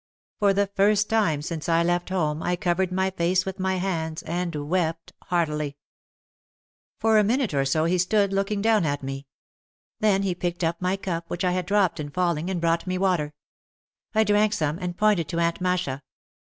For the first time since I left home I covered my face with my hands and wept heartily. For a minute or so he stood looking down at me. Then he picked up my cup, which I had dropped in falling, and brought me water. I drank some, and pointed to Aunt Masha.